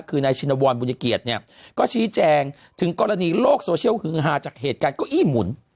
คือนายชินวรบุญเกียรติเนี่ยก็ชี้แจงถึงกรณีโลกโซเชียลฮือฮาจากเหตุการณ์เก้าอี้หมุน